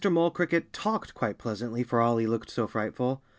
Mole Cricket talked quite pleasantly, for all he looked so frightful.